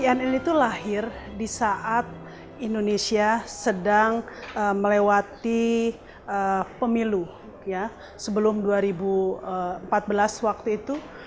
cnn itu lahir di saat indonesia sedang melewati pemilu sebelum dua ribu empat belas waktu itu